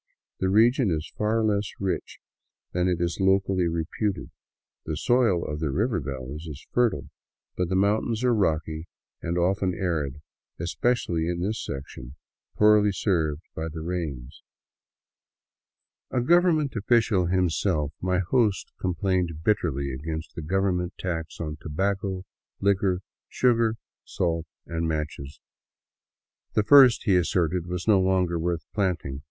The region is far less rich than it is locally reputed. The soil of the river valleys is fertile, but the mountains are rocky and i often arid and, especially in this section, poorly served by the rains. 241 VAGABONDING DOWN THE ANDES A government official himself, my host complained bitterly against the government tax on tobacco, liquor, sugar, salt, and matches. The first, he asserted, was no longer worth planting.